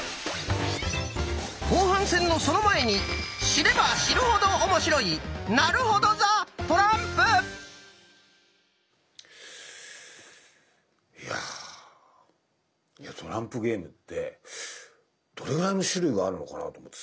後半戦のその前に知れば知るほど面白いいやトランプゲームってどれぐらいの種類があるのかなと思ってさ。